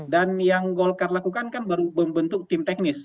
dan yang golkar lakukan kan baru membentuk tim teknis